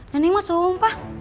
neneng gue sumpah